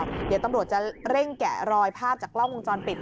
เดี๋ยวตำรวจจะเร่งแกะรอยภาพจากกล้องวงจรปิด